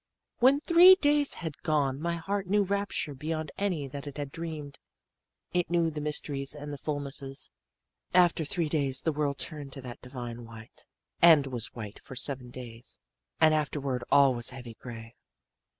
"When three days had gone my heart knew rapture beyond any that it had dreamed. It knew the mysteries and the fullnesses. "After three days the world turned to that divine white, and was white for seven days. "And afterward all was heavy gray.